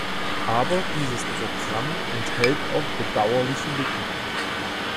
Aber dieses Programm enthält auch bedauerliche Lücken.